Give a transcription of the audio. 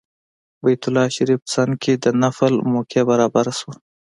بیت الله شریف څنګ کې د نفل موقع برابره شوه.